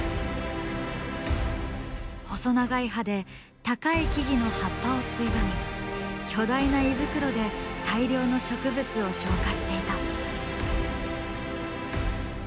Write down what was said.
細長い歯で高い木々の葉っぱをついばみ巨大な胃袋で大量の植物を消化していた。